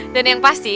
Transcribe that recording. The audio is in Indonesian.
dan yang pasti